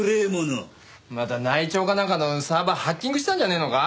また内調かなんかのサーバーハッキングしたんじゃねえのか？